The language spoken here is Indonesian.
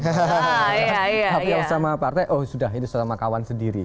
tapi yang sama partai oh sudah ini sesama kawan sendiri